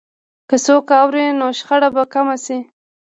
که څوک اوري، نو شخړه به کمه شي.